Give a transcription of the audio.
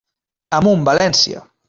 Amunt València!